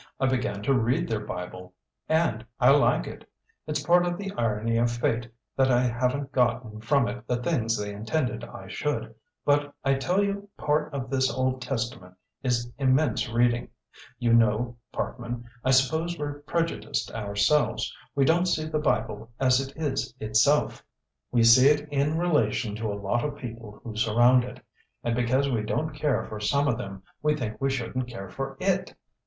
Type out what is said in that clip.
"I began to read their Bible, and I like it. It's part of the irony of fate that I haven't gotten from it the things they intended I should; but I tell you part of this Old Testament is immense reading. You know, Parkman, I suppose we're prejudiced ourselves. We don't see the Bible as it is itself. We see it in relation to a lot of people who surround it. And because we don't care for some of them we think we shouldn't care for it.